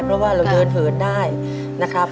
เพราะว่าเราเดินเหินได้นะครับ